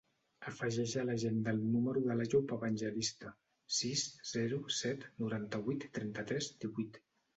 Afegeix a l'agenda el número de l'Àyoub Evangelista: sis, zero, set, noranta-vuit, trenta-tres, divuit.